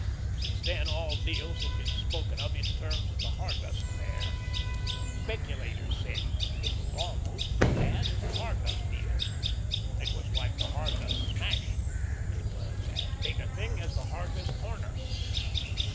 Since then all deals had been spoken of in terms of the Hargus affair. Speculators said, "It was almost as bad as the Hargus deal." "It was like the Hargus smash." "It was as big a thing as the Hargus corner."